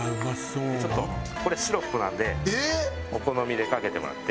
これシロップなんでお好みでかけてもらって。